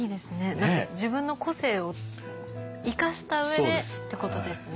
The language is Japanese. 何か自分の個性を生かした上でってことですね。